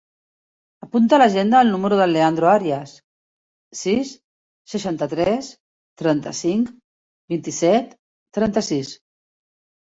Apunta a l'agenda el número del Leandro Arias: sis, seixanta-tres, trenta-cinc, vint-i-set, trenta-sis.